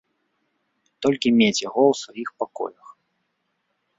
Толькі мець яго ў сваіх пакоях.